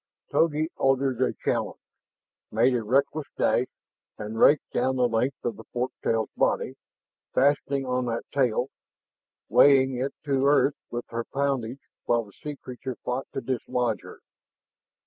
Togi uttered a challenge, made a reckless dash, and raked down the length of the fork tail's body, fastening on that tail, weighing it to earth with her own poundage while the sea creature fought to dislodge her.